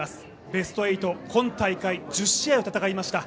ベスト８、今大会、１０試合戦いました。